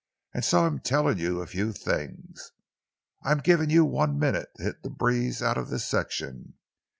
And so I'm telling you a few things. I'm giving you one minute to hit the breeze out of this section.